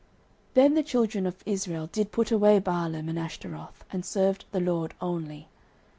09:007:004 Then the children of Israel did put away Baalim and Ashtaroth, and served the LORD only.